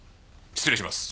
失礼します。